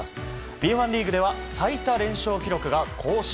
Ｂ１リーグでは最多連勝記録が更新。